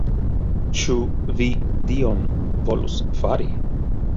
Ĉu vi tion volus fari?